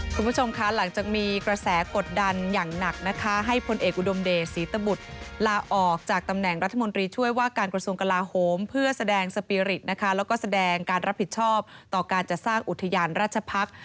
คุณผู้ชมคะหลังจากมีกระแสกดดันอย่างหนักนะคะให้พลเอกอุดมเดชศรีตบุตรลาออกจากตำแหน่งรัฐมนตรีช่วยว่าการกระทรวงกลาโหมเพื่อแสดงสปีริตนะคะแล้วก็แสดงการรับผิดชอบต่อการจะสร้างอุทยานราชพักษ์